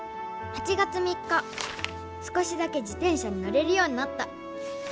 「８月３日少しだけ自てん車にのれるようになった」。